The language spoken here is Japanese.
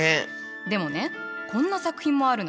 でもねこんな作品もあるのよ。